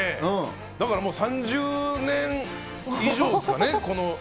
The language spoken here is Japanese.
だからもう、３０年以上ですかね、この。